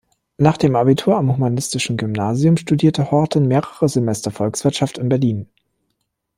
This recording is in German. Nach dem Abitur am Humanistischen Gymnasium studierte Horten mehrere Semester Volkswirtschaft in Berlin.